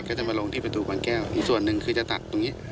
ก็จะมาลงที่ประตูบางแก้วอีกส่วนหนึ่งคือจะตัดตรงนี้